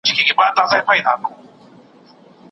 لس ډوله تعبیرونه وړاندي کړي.